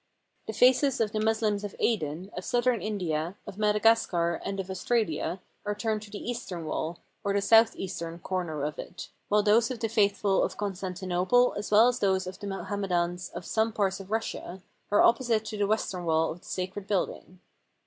The faces of the Muslims of Aden, of southern India, of Madagascar, and of Australia, are turned to the eastern wall, or the south eastern comer of it, while those of the faithful of Con stantinople, as well as those of the Mohammedans of some parts of Russia, are opposite to the western wall of the sacred building.